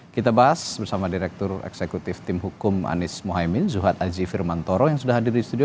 kita bahas bersama direktur eksekutif tim hukum anies mohaimin zuhad azi firmantoro yang sudah hadir di studio